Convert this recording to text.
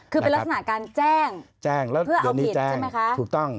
คือเป็นลักษณะการแจ้งแจ้งแล้วเพื่อเอาผิดใช่ไหมคะถูกต้อง